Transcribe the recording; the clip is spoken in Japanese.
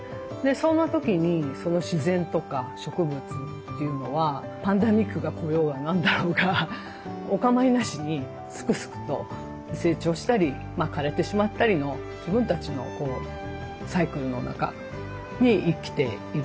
そんな時に自然とか植物というのはパンデミックが来ようが何だろうがお構いなしにすくすくと成長したり枯れてしまったりの自分たちのサイクルの中に生きている。